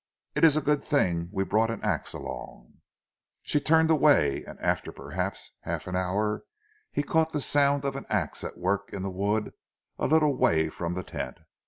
It is a good thing we brought an ax along." She turned away, and after perhaps half an hour he caught the sound of an ax at work in the wood a little way from the tent.